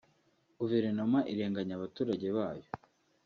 Guverinoma irenganya abaturage bayo